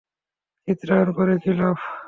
চিত্রায়ন করে কী লাভ!